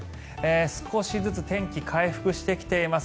少しずつ天気、回復してきています。